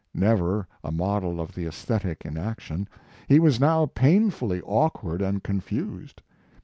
Never a model of the aesthetic in action, he was now painfully awkward and confused.